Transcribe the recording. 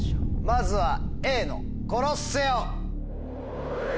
まずはＡのコロッセオ！